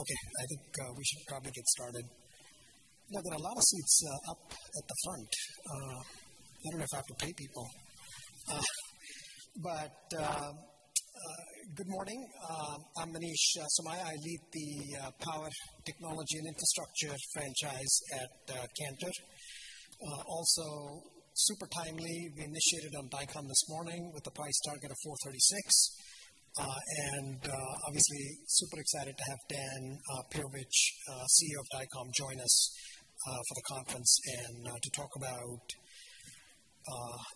Okay. I think we should probably get started. Yeah, there are a lot of seats up at the front. I don't know if I have to pay people. Good morning. I'm Manish Somaiya. I lead the power technology and infrastructure franchise at Cantor. Also super timely, we initiated on Dycom this morning with a price target of $436. Obviously super excited to have Dan Peyovich, CEO of Dycom, join us for the conference and to talk about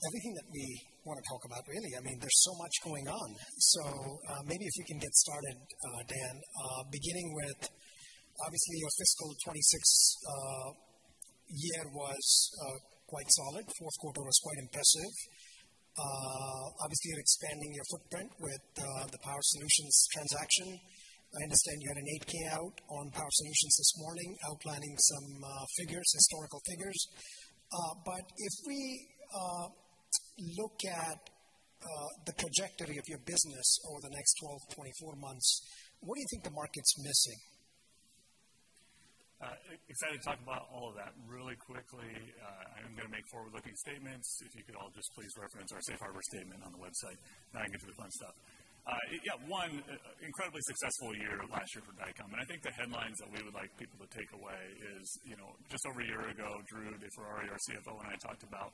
everything that we want to talk about really. I mean, there's so much going on. Maybe if you can get started, Dan, beginning with obviously your fiscal 2026 year was quite solid. Fourth quarter was quite impressive. Obviously, you're expanding your footprint with the Power Solutions transaction. I understand you had an 8-K out on Power Solutions this morning outlining some figures, historical figures. If we look at the trajectory of your business over the next 12-24 months, what do you think the market's missing? Excited to talk about all of that. Really quickly, I'm gonna make forward-looking statements. If you could all just please reference our safe harbor statement on the website, then I can get to the fun stuff. Yeah, one incredibly successful year last year for Dycom, and I think the headlines that we would like people to take away is, you know, just over a year ago, Drew DeFerrari, our CFO, and I talked about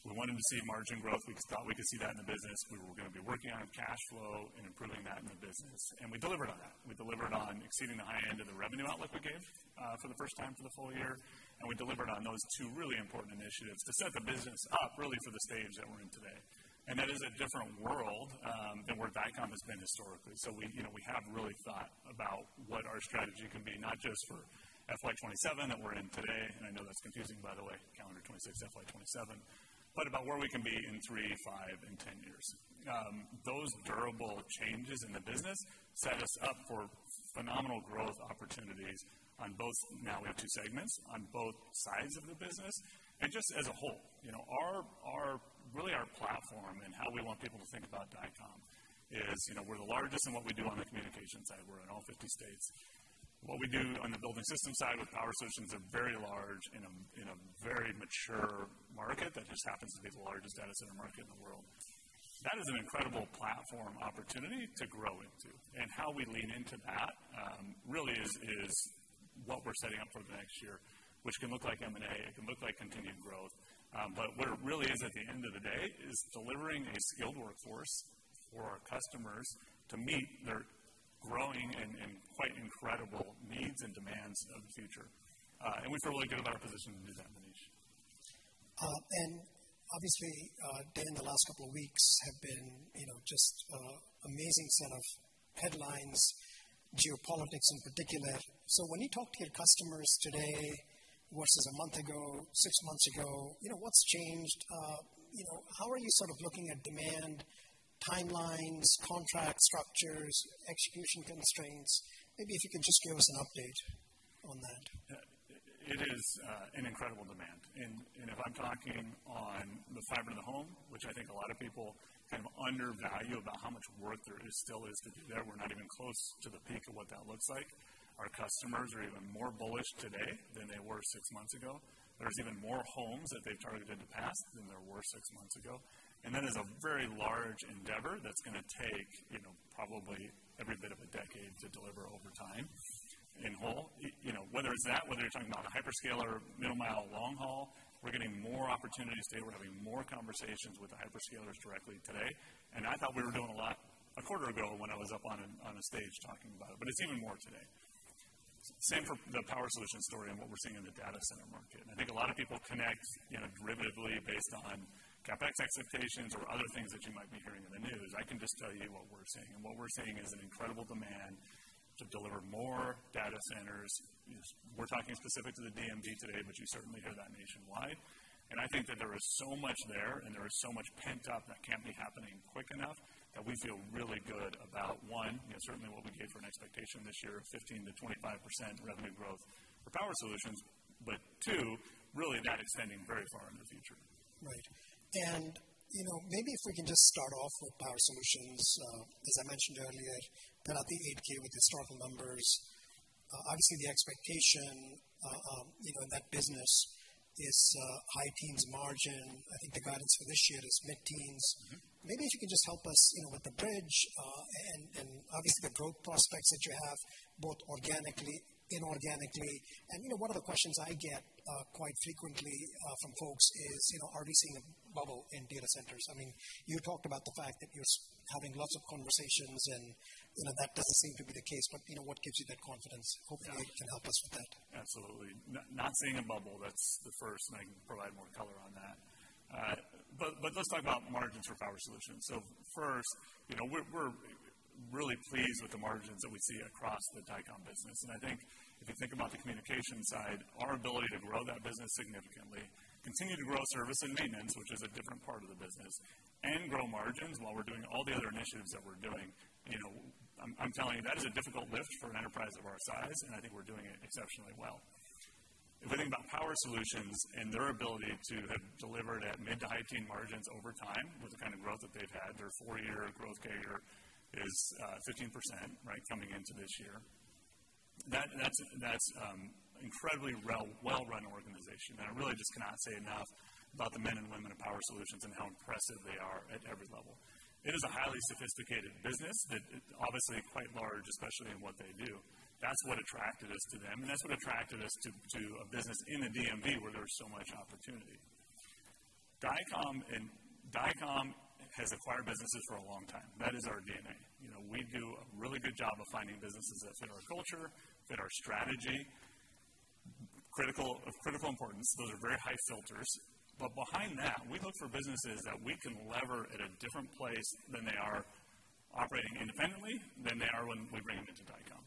we wanted to see margin growth. We thought we could see that in the business. We were gonna be working on cash flow and improving that in the business, and we delivered on that. We delivered on exceeding the high end of the revenue outlook we gave, for the first time for the full year, and we delivered on those two really important initiatives to set the business up really for the stage that we're in today. That is a different world than where Dycom has been historically. We, you know, have really thought about what our strategy can be, not just for FY 2027 that we're in today, and I know that's confusing by the way, calendar 2026, FY 2027, but about where we can be in 3, 5, and 10 years. Those durable changes in the business set us up for phenomenal growth opportunities on both. Now we have two segments on both sides of the business. Just as a whole, you know, our platform and how we want people to think about Dycom is, you know, we're the largest in what we do on the communication side. We're in all 50 states. What we do on the Building Systems side with Power Solutions is very large in a very mature market that just happens to be the largest data center market in the world. That is an incredible platform opportunity to grow into. How we lean into that really is what we're setting up for the next year, which can look like M&A, it can look like continued growth. What it really is at the end of the day is delivering a skilled workforce for our customers to meet their growing and quite incredible needs and demands of the future. We feel really good about our position to do that, Manish. Obviously, Dan, the last couple of weeks have been, you know, just amazing set of headlines, geopolitics in particular. When you talk to your customers today versus a month ago, six months ago, you know, what's changed? You know, how are you sort of looking at demand, timelines, contract structures, execution constraints? Maybe if you could just give us an update on that. Yeah. It is an incredible demand. If I'm talking on the Fiber to the Home, which I think a lot of people kind of undervalue about how much work there is still to do there. We're not even close to the peak of what that looks like. Our customers are even more bullish today than they were six months ago. There's even more homes that they've targeted in the past than there were six months ago. That is a very large endeavor that's gonna take, you know, probably every bit of a decade to deliver over time in whole. You know, whether it's that, whether you're talking about a hyperscaler, Middle Mile, Long Haul, we're getting more opportunities today. We're having more conversations with the hyperscalers directly today. I thought we were doing a lot a quarter ago when I was up on a stage talking about it, but it's even more today. Same for the Power Solutions story and what we're seeing in the data center market. I think a lot of people connect, you know, derivatively based on CapEx expectations or other things that you might be hearing in the news. I can just tell you what we're seeing, and what we're seeing is an incredible demand to deliver more data centers. We're talking specific to the DMV today, but you certainly hear that nationwide. I think that there is so much there and there is so much pent up that can't be happening quick enough that we feel really good about, one, you know, certainly what we gave for an expectation this year of 15%-25% revenue growth for Power Solutions. Two, really that extending very far in the future. Right. You know, maybe if we can just start off with Power Solutions. As I mentioned earlier, put out the 8-K with historical numbers. Obviously, the expectation, you know, in that business is high-teens margin. I think the guidance for this year is mid-teens. Maybe if you can just help us, you know, with the bridge, and obviously the growth prospects that you have both organically, inorganically. You know, one of the questions I get quite frequently from folks is, you know, are we seeing a bubble in data centers? I mean, you talked about the fact that you are having lots of conversations and, you know, that does not seem to be the case. You know, what gives you that confidence? Hopefully you can help us with that. Absolutely. Not seeing a bubble, that's the first, and I can provide more color on that. Let's talk about margins for Power Solutions. First, you know, we're really pleased with the margins that we see across the Dycom business. I think if you think about the communication side, our ability to grow that business significantly, continue to grow Service and Maintenance, which is a different part of the business, and grow margins while we're doing all the other initiatives that we're doing. You know, I'm telling you that is a difficult lift for an enterprise of our size, and I think we're doing it exceptionally well. If you think about Power Solutions and their ability to have delivered at mid- to high-teen margins over time with the kind of growth that they've had, their four-year growth CAGR is 15%, right? Coming into this year. That's an incredibly well-run organization. I really just cannot say enough about the men and women of Power Solutions and how impressive they are at every level. It is a highly sophisticated business that obviously quite large, especially in what they do. That's what attracted us to them, and that's what attracted us to a business in the DMV where there's so much opportunity. Dycom has acquired businesses for a long time. That is our DNA. You know, we do a really good job of finding businesses that fit our culture, fit our strategy. Of critical importance, those are very high filters. Behind that, we look for businesses that we can leverage at a different place than they are operating independently than they are when we bring them into Dycom.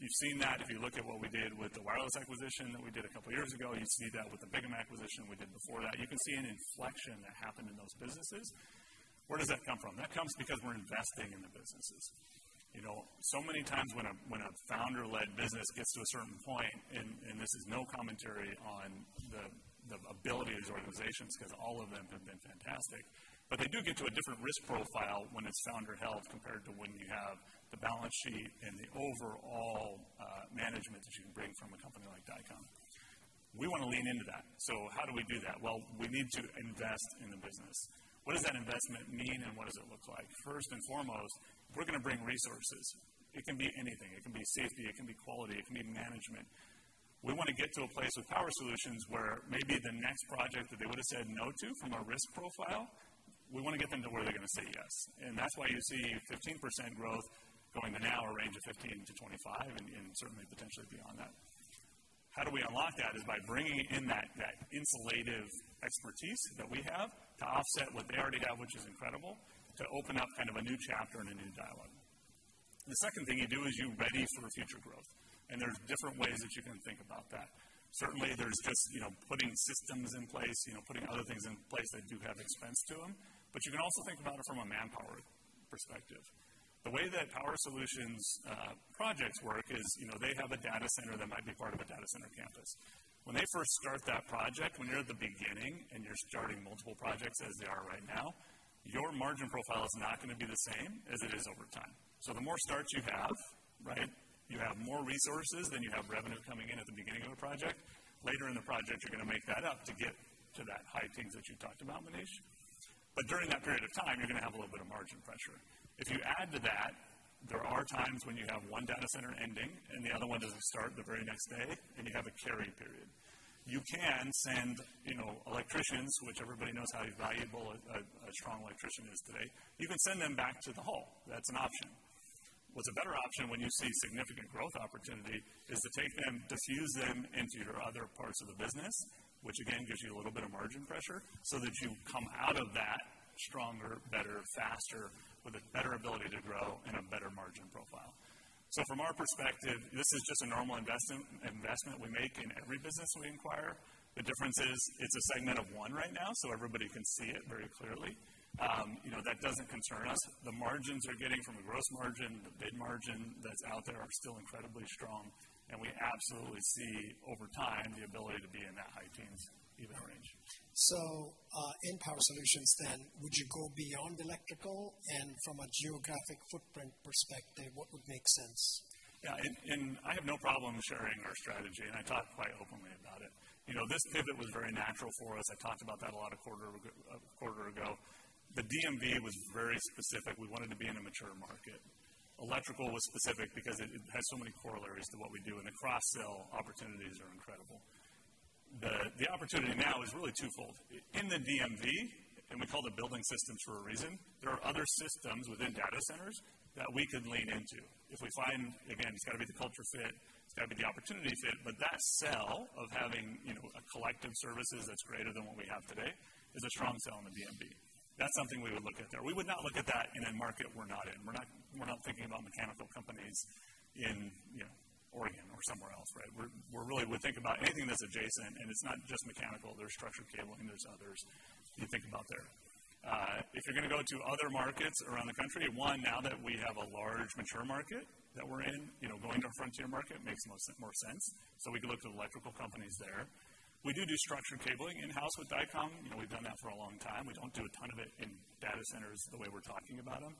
You've seen that if you look at what we did with the wireless acquisition that we did a couple years ago, you see that with the Bigham acquisition we did before that. You can see an inflection that happened in those businesses. Where does that come from? That comes because we're investing in the businesses. You know, so many times when a founder-led business gets to a certain point, and this is no commentary on the ability of these organizations, 'cause all of them have been fantastic, but they do get to a different risk profile when it's founder-held compared to when you have the balance sheet and the overall management that you can bring from a company like Dycom. We wanna lean into that. So how do we do that? Well, we need to invest in the business. What does that investment mean and what does it look like? First and foremost, we're gonna bring resources. It can be anything. It can be safety, it can be quality, it can be management. We wanna get to a place with Power Solutions where maybe the next project that they would've said no to from a risk profile, we wanna get them to where they're gonna say yes. That's why you see 15% growth going to now a range of 15%-25%, and certainly potentially beyond that. How do we unlock that? Is by bringing in that institutional expertise that we have to offset what they already have, which is incredible, to open up kind of a new chapter and a new dialogue. The second thing you do is you ready for the future growth. There's different ways that you can think about that. Certainly, there's just, you know, putting systems in place, you know, putting other things in place that do have expense to them. You can also think about it from a manpower perspective. The way that Power Solutions projects work is, you know, they have a data center that might be part of a data center campus. When they first start that project, when you're at the beginning and you're starting multiple projects as they are right now, your margin profile is not gonna be the same as it is over time. The more starts you have, right, you have more resources than you have revenue coming in at the beginning of a project. Later in the project, you're gonna make that up to get to that high teens that you talked about, Manish. During that period of time, you're gonna have a little bit of margin pressure. If you add to that, there are times when you have one data center ending and the other one doesn't start the very next day, and you have a carry period. You can send, you know, electricians, which everybody knows how valuable a strong electrician is today. You can send them back to the hall. That's an option. What's a better option when you see significant growth opportunity is to take them, diffuse them into your other parts of the business, which again, gives you a little bit of margin pressure so that you come out of that stronger, better, faster, with a better ability to grow and a better margin profile. From our perspective, this is just a normal investment we make in every business we acquire. The difference is it's a segment of one right now, so everybody can see it very clearly. You know, that doesn't concern us. The margins we're getting from the gross margin, the bid margin that's out there are still incredibly strong, and we absolutely see over time the ability to be in that high teens EV range. In Power Solutions then, would you go beyond electrical? From a geographic footprint perspective, what would make sense? Yeah. I have no problem sharing our strategy, and I talk quite openly about it. You know, this pivot was very natural for us. I talked about that a lot a quarter ago. The DMV was very specific. We wanted to be in a mature market. Electrical was specific because it has so many corollaries to what we do, and the cross-sell opportunities are incredible. The opportunity now is really twofold. In the DMV, we call it Building Systems for a reason. There are other systems within data centers that we can lean into. If we find, again, it's gotta be the culture fit, it's gotta be the opportunity fit. That sell of having, you know, a collective services that's greater than what we have today is a strong sell in the DMV. That's something we would look at there. We would not look at that in a market we're not in. We're not thinking about mechanical companies in, you know, Oregon or somewhere else, right? We're really would think about anything that's adjacent, and it's not just mechanical. There's Structured Cabling and there's others you think about there. If you're gonna go to other markets around the country, one, now that we have a large mature market that we're in, you know, going to a frontier market makes more sense. We could look to electrical companies there. We do Structured Cabling in-house with Dycom. You know, we've done that for a long time. We don't do a ton of it in data centers the way we're talking about them.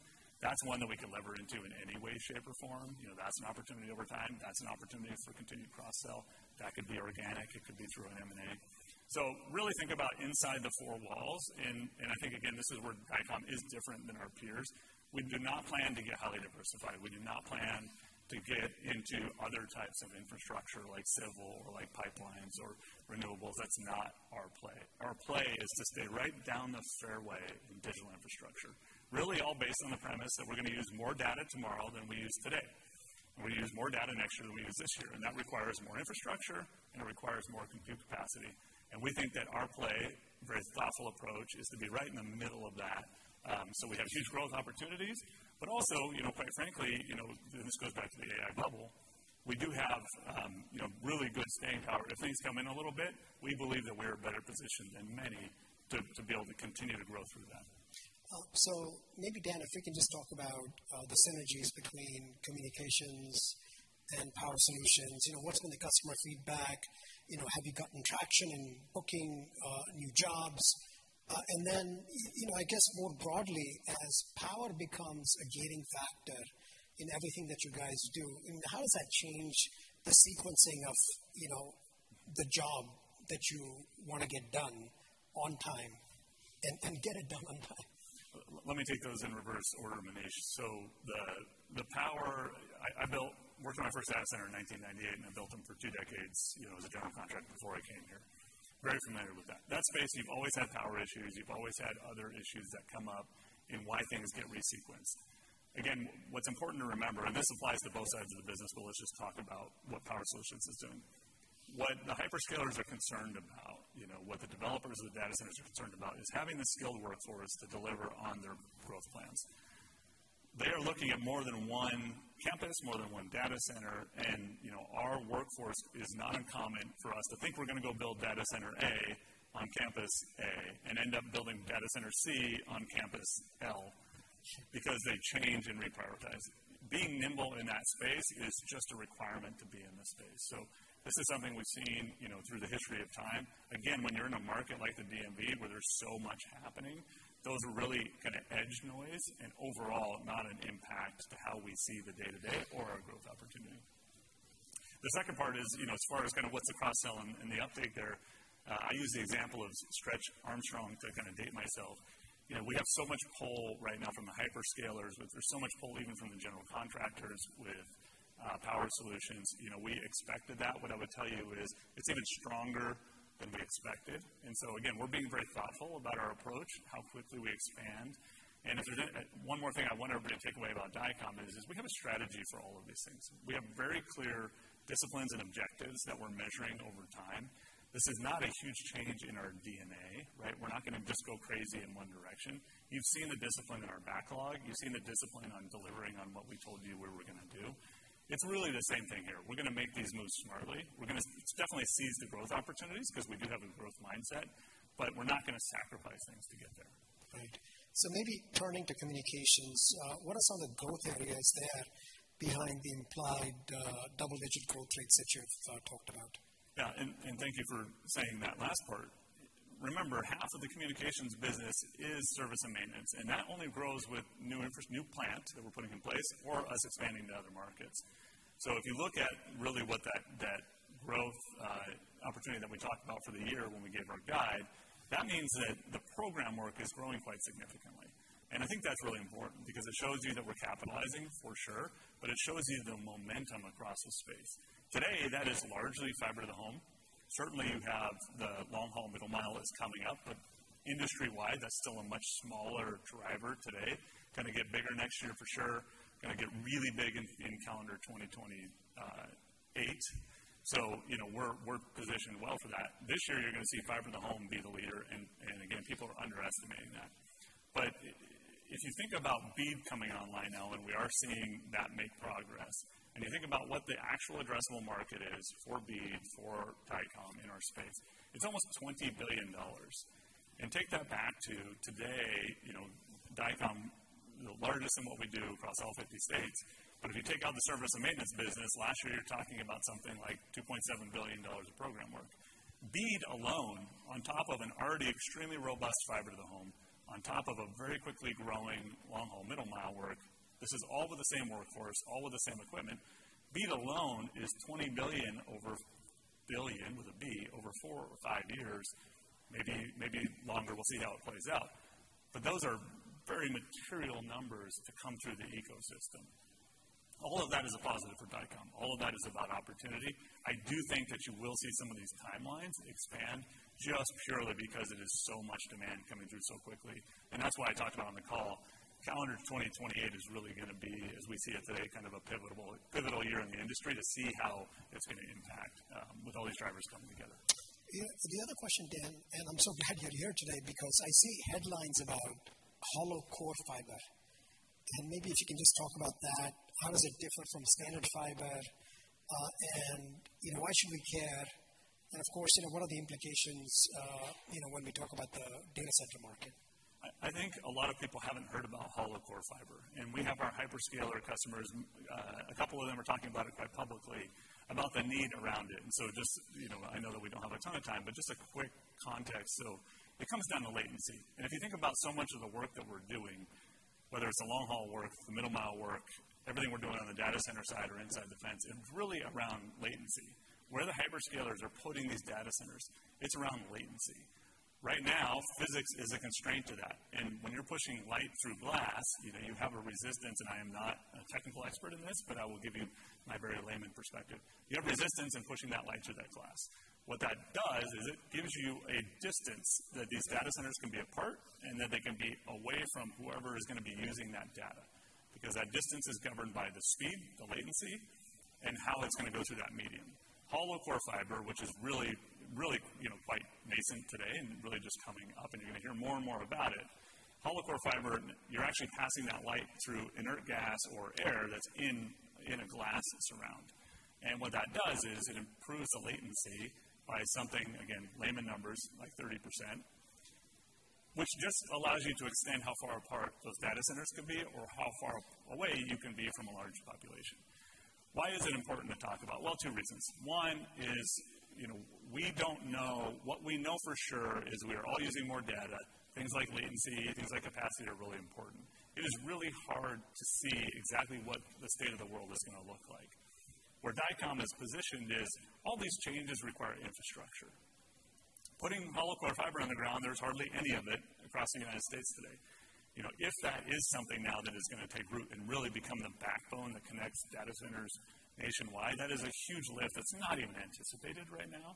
That's one that we could lever into in any way, shape, or form. You know, that's an opportunity over time. That's an opportunity for continued cross-sell. That could be organic, it could be through an M&A. Really think about inside the four walls, and I think again, this is where Dycom is different than our peers. We do not plan to get highly diversified. We do not plan to get into other types of infrastructure like civil or like pipelines or renewables. That's not our play. Our play is to stay right down the fairway in digital infrastructure, really all based on the premise that we're gonna use more data tomorrow than we use today. We're gonna use more data next year than we use this year. That requires more infrastructure, and it requires more compute capacity. We think that our play, very thoughtful approach, is to be right in the middle of that. We have huge growth opportunities, but also, you know, quite frankly, you know, this goes back to the AI bubble. We do have, you know, really good staying power. If things come in a little bit, we believe that we are better positioned than many to be able to continue to grow through that. Maybe Dan, if we can just talk about the synergies between communications and Power Solutions. You know, what's been the customer feedback? You know, have you gotten traction in booking new jobs? Then, you know, I guess more broadly, as power becomes a gating factor in everything that you guys do, I mean, how does that change the sequencing of, you know, the job that you wanna get done on time and get it done on time? Let me take those in reverse order, Manish. The power. I worked on my first data center in 1998, and I built them for two decades, you know, as a general contractor before I came here. Very familiar with that. That space, you've always had power issues. You've always had other issues that come up in why things get resequenced. Again, what's important to remember, and this applies to both sides of the business, but let's just talk about what Power Solutions is doing. What the hyperscalers are concerned about, you know, what the developers of the data centers are concerned about is having the skilled workforce to deliver on their growth plans. They are looking at more than one campus, more than one data center. You know, our workforce is not uncommon for us to think we're gonna go build data center A on campus A and end up building data center C on campus L because they change and reprioritize. Being nimble in that space is just a requirement to be in this space. This is something we've seen, you know, through the history of time. Again, when you're in a market like the DMV where there's so much happening, those are really kinda edge noise and overall not an impact to how we see the day-to-day or our growth opportunity. The second part is, you know, as far as kinda what's the cross-sell and the update there, I use the example of Stretch Armstrong to kinda date myself. You know, we have so much pull right now from the hyperscalers, but there's so much pull even from the general contractors with Power Solutions. You know, we expected that. What I would tell you is it's even stronger than we expected. Again, we're being very thoughtful about our approach, how quickly we expand. One more thing I want everybody to take away about Dycom is we have a strategy for all of these things. We have very clear disciplines and objectives that we're measuring over time. This is not a huge change in our DNA, right? We're not gonna just go crazy in one direction. You've seen the discipline in our backlog. You've seen the discipline on delivering on what we told you we were gonna do. It's really the same thing here. We're gonna make these moves smartly. We're gonna definitely seize the growth opportunities 'cause we do have a growth mindset, but we're not gonna sacrifice things to get there. Right. Maybe turning to communications, what are some of the growth areas there behind the implied double-digit growth rates that you've talked about? Yeah, and thank you for saying that last part. Remember, half of the communications business is service and maintenance, and that only grows with new plant that we're putting in place or us expanding to other markets. If you look at really what that growth opportunity that we talked about for the year when we gave our guide, that means that the program work is growing quite significantly. I think that's really important because it shows you that we're capitalizing for sure, but it shows you the momentum across the space. Today, that is largely fiber to the home. Certainly, you have the long-haul middle mile that's coming up, but industry-wide, that's still a much smaller driver today. Gonna get bigger next year for sure. Gonna get really big in calendar 2028. You know, we're positioned well for that. This year you're gonna see Fiber to the Home be the leader. Again, people are underestimating that. If you think about BEAD coming online now, and we are seeing that make progress, and you think about what the actual addressable market is for BEAD, for Dycom in our space, it's almost $20 billion. Take that back to today, you know, Dycom, the largest in what we do across all 50 states, but if you take out the Service and Maintenance business, last year you're talking about something like $2.7 billion of program work. BEAD alone, on top of an already extremely robust Fiber to the Home, on top of a very quickly growing long-haul Middle Mile work, this is all with the same workforce, all with the same equipment. BEAD alone is $20 billion with a B, over four or five years, maybe longer. We'll see how it plays out. Those are very material numbers to come through the ecosystem. All of that is a positive for Dycom. All of that is about opportunity. I do think that you will see some of these timelines expand just purely because it is so much demand coming through so quickly. That's why I talked about on the call, calendar 2028 is really gonna be, as we see it today, kind of a pivotal year in the industry to see how it's gonna impact, with all these drivers coming together. Yeah. The other question, Dan, and I'm so glad you're here today because I see headlines about Hollow Core Fiber, and maybe if you can just talk about that. How does it differ from standard fiber? You know, why should we care? Of course, you know, what are the implications, you know, when we talk about the data center market? I think a lot of people haven't heard about Hollow Core Fiber, and we have our hyperscaler customers, a couple of them are talking about it quite publicly about the need around it. Just, you know, I know that we don't have a ton of time, but just a quick context. It comes down to latency. If you think about so much of the work that we're doing, whether it's the Long Haul work, the Middle Mile work, everything we're doing on the data center side or inside the fence is really around latency. Where the hyperscalers are putting these data centers, it's around latency. Right now, physics is a constraint to that. When you're pushing light through glass, you know, you have a resistance, and I am not a technical expert in this, but I will give you my very layman perspective. You have resistance in pushing that light through that glass. What that does is it gives you a distance that these data centers can be apart, and that they can be away from whoever is gonna be using that data. Because that distance is governed by the speed, the Latency, and how it's gonna go through that medium. Hollow Core Fiber, which is really, you know, quite nascent today and really just coming up, and you're gonna hear more and more about it. Hollow Core Fiber, you're actually passing that light through inert gas or air that's in a glass that's around. What that does is it improves the Latency by something, again, layman numbers like 30%, which just allows you to extend how far apart those data centers can be or how far away you can be from a large population. Why is it important to talk about? Well, two reasons. One is, you know, we don't know. What we know for sure is we are all using more data. Things like latency, things like capacity are really important. It is really hard to see exactly what the state of the world is gonna look like. Where Dycom is positioned is all these changes require infrastructure. Putting Hollow Core Fiber on the ground, there's hardly any of it across the United States today. You know, if that is something now that is gonna take root and really become the backbone that connects data centers nationwide, that is a huge lift that's not even anticipated right now,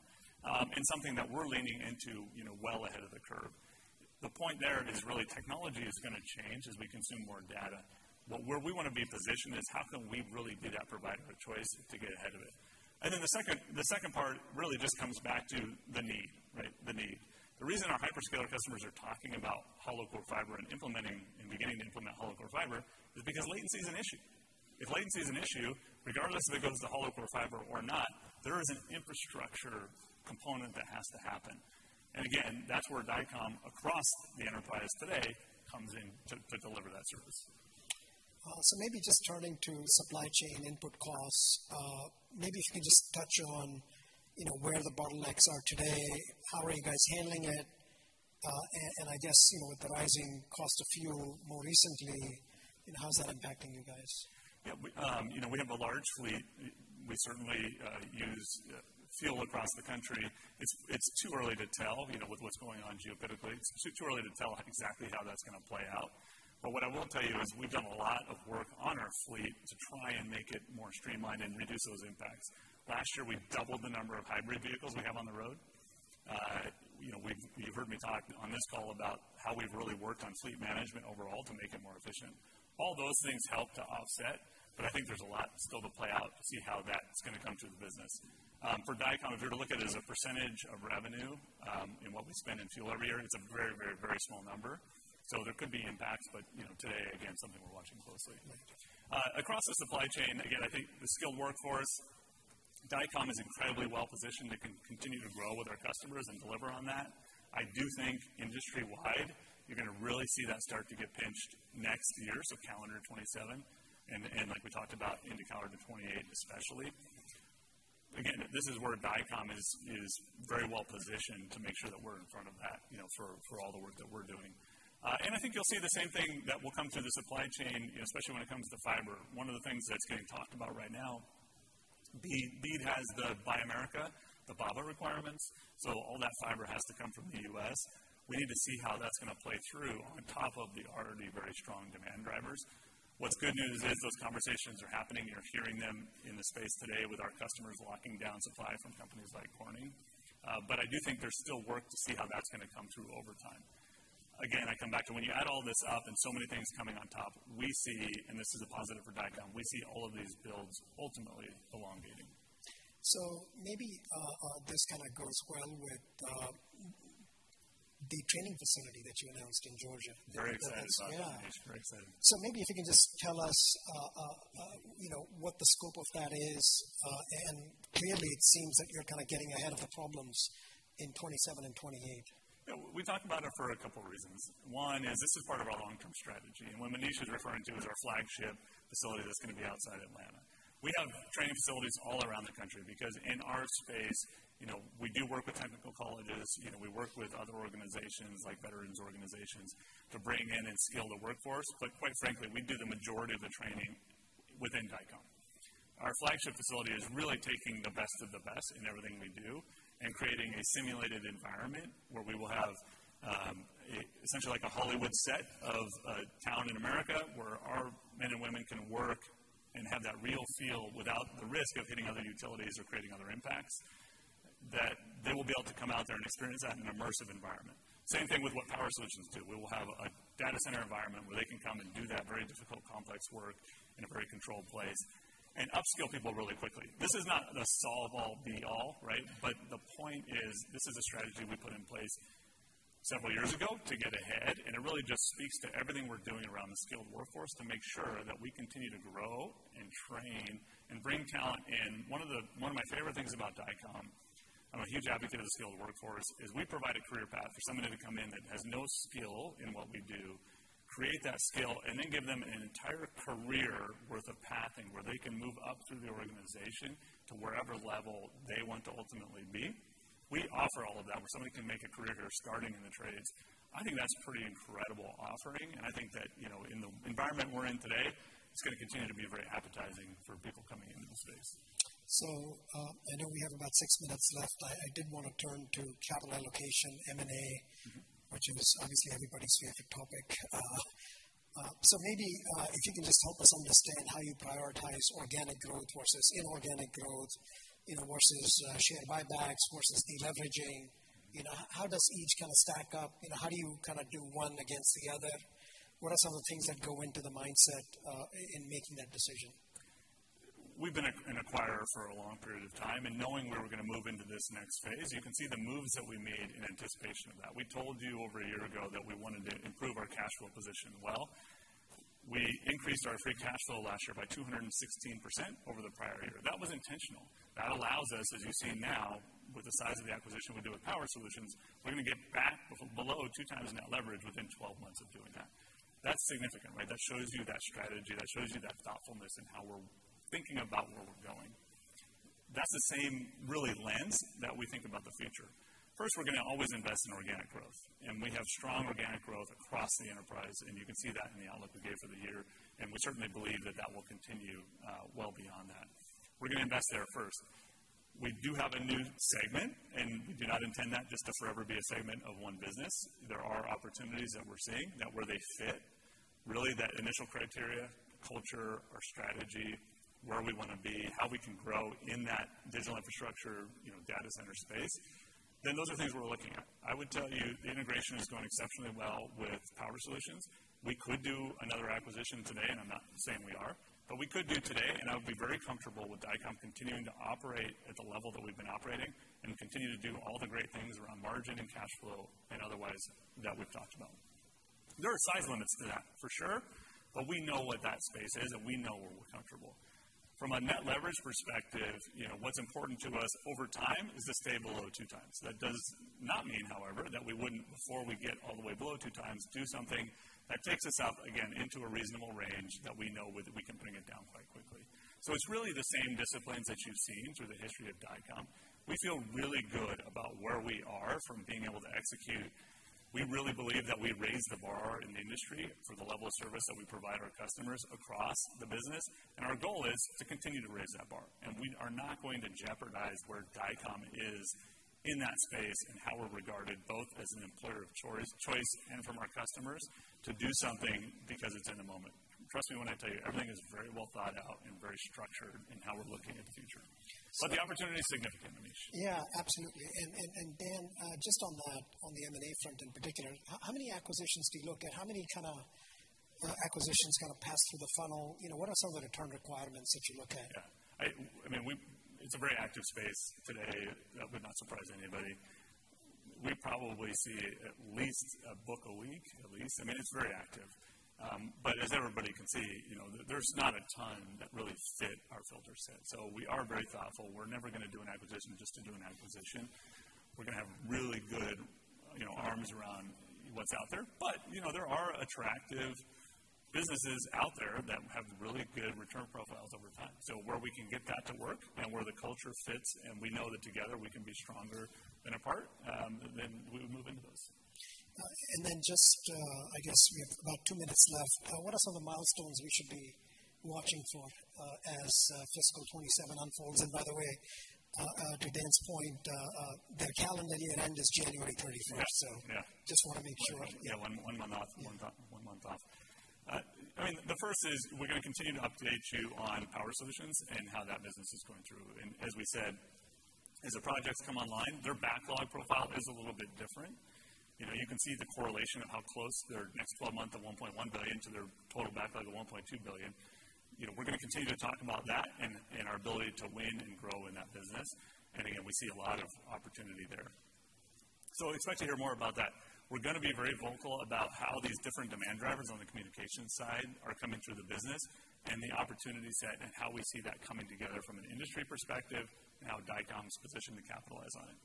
and something that we're leaning into, you know, well ahead of the curve. The point there is really technology is gonna change as we consume more data. Where we want to be positioned is how can we really be that provider of choice to get ahead of it. Then the second part really just comes back to the need, right? The need. The reason our hyperscaler customers are talking about Hollow Core Fiber and implementing and beginning to implement Hollow Core Fiber is because latency is an issue. If latency is an issue, regardless if it goes to Hollow Core Fiber or not, there is an infrastructure component that has to happen. Again, that's where Dycom across the enterprise today comes in to deliver that service. Maybe just turning to supply chain input costs, maybe if you could just touch on, you know, where the bottlenecks are today, how are you guys handling it? And I guess, you know, with the rising cost of fuel more recently, how's that impacting you guys? Yeah. We, you know, we have a large fleet. We certainly use fuel across the country. It's too early to tell, you know, with what's going on geopolitically. It's too early to tell exactly how that's gonna play out. What I will tell you is we've done a lot of work on our fleet to try and make it more streamlined and reduce those impacts. Last year, we doubled the number of hybrid vehicles we have on the road. You know, you've heard me talk on this call about how we've really worked on fleet management overall to make it more efficient. All those things help to offset, but I think there's a lot still to play out to see how that's gonna come through the business. For Dycom, if you were to look at it as a percentage of revenue, and what we spend in fuel every year, it's a very small number. There could be impacts, but, you know, today, again, something we're watching closely. Across the supply chain, again, I think the skilled workforce, Dycom is incredibly well-positioned to continue to grow with our customers and deliver on that. I do think industry-wide, you're gonna really see that start to get pinched next year, so calendar 2027, and like we talked about into calendar 2028 especially. Again, this is where Dycom is very well positioned to make sure that we're in front of that, you know, for all the work that we're doing. I think you'll see the same thing that will come through the supply chain, especially when it comes to fiber. One of the things that's getting talked about right now, BEAD has the Buy America, the BABA requirements, so all that fiber has to come from the U.S. We need to see how that's gonna play through on top of the already very strong demand drivers. What's good news is those conversations are happening. You're hearing them in the space today with our customers locking down supply from companies like Corning. But I do think there's still work to see how that's gonna come through over time. Again, I come back to when you add all this up and so many things coming on top, we see, and this is a positive for Dycom, we see all of these builds ultimately elongating. Maybe this kind of goes well with the training facility that you announced in Georgia. Very excited about that, Manish. Very excited. Maybe if you can just tell us, you know, what the scope of that is. Clearly it seems that you're kind of getting ahead of the problems in 2027 and 2028. Yeah. We talked about it for a couple reasons. One is this is part of our long-term strategy, and what Manish is referring to is our flagship facility that's gonna be outside Atlanta. We have training facilities all around the country because in our space, you know, we do work with technical colleges. You know, we work with other organizations like veterans organizations to bring in and skill the workforce. Quite frankly, we do the majority of the training within Dycom. Our flagship facility is really taking the best of the best in everything we do and creating a simulated environment where we will have essentially like a Hollywood set of a town in America where our men and women can work and have that real feel without the risk of hitting other utilities or creating other impacts, that they will be able to come out there and experience that in an immersive environment. Same thing with what Power Solutions do. We will have a data center environment where they can come and do that very difficult, complex work in a very controlled place and upskill people really quickly. This is not the end-all be-all, right? The point is, this is a strategy we put in place several years ago to get ahead, and it really just speaks to everything we're doing around the skilled workforce to make sure that we continue to grow and train and bring talent in. One of my favorite things about Dycom, I'm a huge advocate of the skilled workforce, is we provide a career path for somebody to come in that has no skill in what we do, create that skill, and then give them an entire career worth of pathing where they can move up through the organization to wherever level they want to ultimately be. We offer all of that, where somebody can make a career here starting in the trades. I think that's pretty incredible offering, and I think that, you know, in the environment we're in today, it's gonna continue to be very appetizing for people coming into the space. I know we have about six minutes left. I did wanna turn to capital allocation, M&A. Which is obviously everybody's favorite topic. Maybe, if you can just help us understand how you prioritize organic growth versus inorganic growth, you know, versus share buybacks versus deleveraging. You know, how does each kind of stack up? You know, how do you kinda do one against the other? What are some of the things that go into the mindset, in making that decision? We've been an acquirer for a long period of time, and knowing we were gonna move into this next phase, you can see the moves that we made in anticipation of that. We told you over a year ago that we wanted to improve our cash flow position, well. We increased our free cash flow last year by 216% over the prior year. That was intentional. That allows us, as you see now, with the size of the acquisition we do with Power Solutions, we're gonna get back below 2x net leverage within 12 months of doing that. That's significant, right? That shows you that strategy, that shows you that thoughtfulness in how we're thinking about where we're going. That's the same really lens that we think about the future. First, we're gonna always invest in organic growth, and we have strong organic growth across the enterprise, and you can see that in the outlook we gave for the year, and we certainly believe that that will continue well beyond that. We're gonna invest there first. We do have a new segment, and we do not intend that just to forever be a segment of one business. There are opportunities that we're seeing that where they fit, really that initial criteria, culture or strategy, where we wanna be, how we can grow in that digital infrastructure, you know, data center space, then those are things we're looking at. I would tell you the integration is going exceptionally well with Power Solutions. We could do another acquisition today, and I'm not saying we are, but we could do today and I would be very comfortable with Dycom continuing to operate at the level that we've been operating and continue to do all the great things around margin and cash flow and otherwise that we've talked about. There are size limits to that, for sure, but we know what that space is and we know where we're comfortable. From a net leverage perspective, you know, what's important to us over time is to stay below 2x. That does not mean, however, that we wouldn't before we get all the way below 2x, do something that takes us up again into a reasonable range that we know we can bring it down quite quickly. It's really the same disciplines that you've seen through the history of Dycom. We feel really good about where we are from being able to execute. We really believe that we raised the bar in the industry for the level of service that we provide our customers across the business, and our goal is to continue to raise that bar. We are not going to jeopardize where Dycom is in that space and how we're regarded both as an employer of choice and from our customers to do something because it's in the moment. Trust me when I tell you, everything is very well thought out and very structured in how we're looking at the future. The opportunity is significant, Manish. Yeah, absolutely. Dan, just on that, on the M&A front in particular, how many acquisitions do you look at? How many kinda acquisitions kinda pass through the funnel? You know, what are some of the return requirements that you look at? Yeah. I mean, it's a very active space today, that would not surprise anybody. We probably see at least a book a week, at least. I mean, it's very active. As everybody can see, you know, there's not a ton that really fit our filter set. We are very thoughtful. We're never gonna do an acquisition just to do an acquisition. We're gonna have really good, you know, arms around what's out there. You know, there are attractive businesses out there that have really good return profiles over time. Where we can get that to work and where the culture fits and we know that together we can be stronger than apart, then we move into those. Just, I guess we have about two minutes left. What are some of the milestones we should be watching for as fiscal 2027 unfolds? By the way, to Dan's point, their calendar year end is January 31st. Yeah. So Yeah. Just wanna make sure. Yeah, one month off. I mean, the first is we're gonna continue to update you on Power Solutions and how that business is going through. As we said, as the projects come online, their backlog profile is a little bit different. You know, you can see the correlation of how close their next 12-month of $1.1 billion to their total backlog of $1.2 billion. You know, we're gonna continue to talk about that and our ability to win and grow in that business. Again, we see a lot of opportunity there. Expect to hear more about that. We're gonna be very vocal about how these different demand drivers on the communication side are coming through the business and the opportunities that and how we see that coming together from an industry perspective and how Dycom is positioned to capitalize on it.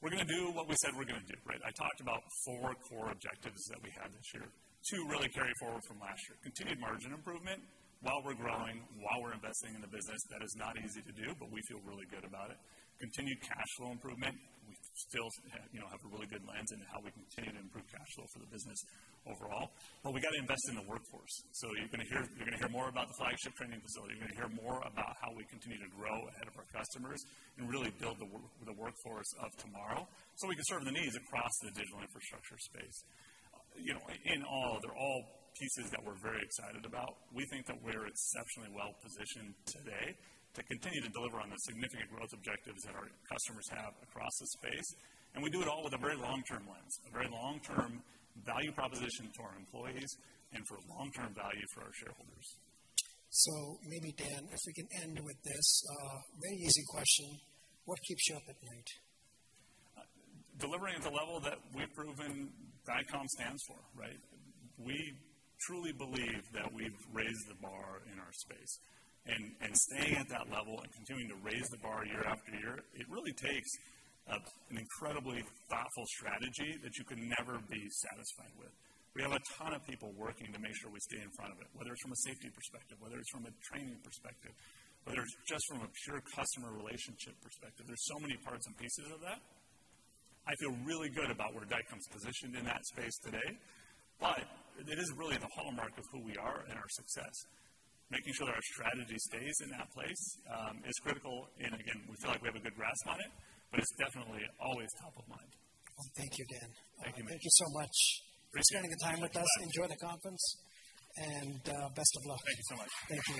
We're gonna do what we said we're gonna do, right? I talked about four core objectives that we have this year. Two really carry forward from last year. Continued margin improvement while we're growing, while we're investing in the business. That is not easy to do, but we feel really good about it. Continued cash flow improvement. We still have, you know, a really good lens in how we continue to improve cash flow for the business overall. We got to invest in the workforce. You're gonna hear more about the flagship training facility. You're gonna hear more about how we continue to grow ahead of our customers and really build the workforce of tomorrow, so we can serve the needs across the digital infrastructure space. You know, in all, they're all pieces that we're very excited about. We think that we're exceptionally well-positioned today to continue to deliver on the significant growth objectives that our customers have across the space. We do it all with a very long-term lens, a very long-term value proposition for our employees and for long-term value for our shareholders. Maybe, Dan, if we can end with this, very easy question. What keeps you up at night? Delivering at the level that we've proven Dycom stands for, right? We truly believe that we've raised the bar in our space. Staying at that level and continuing to raise the bar year after year, it really takes an incredibly thoughtful strategy that you can never be satisfied with. We have a ton of people working to make sure we stay in front of it, whether it's from a safety perspective, whether it's from a training perspective, whether it's just from a pure customer relationship perspective. There's so many parts and pieces of that. I feel really good about where Dycom's positioned in that space today. It is really the hallmark of who we are and our success. Making sure that our strategy stays in that place is critical. Again, we feel like we have a good grasp on it, but it's definitely always top of mind. Well, thank you, Dan. Thank you, Manish. Thank you so much. Appreciate it. For spending the time with us. My pleasure. Enjoy the conference and, best of luck. Thank you so much. Thank you.